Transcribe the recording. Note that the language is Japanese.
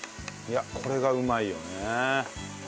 いやこれがうまいよね。